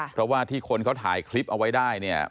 เพราะว่าที่คนเขาถ่ายคลิปเอาไว้ได้เนี่ย